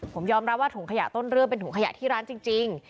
ผมยอมรับว่าถุงขยะต้นเรื่องเป็นถุงขยะที่ร้านจริง